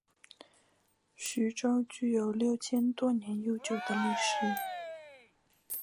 徐州具有六千多年悠久的历史。